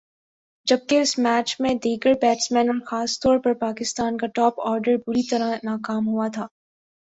جبکہ اس میچ میں دیگر بیٹسمین اور خاص طور پر پاکستان کا ٹاپ آرڈر بری طرح ناکام ہوا تھا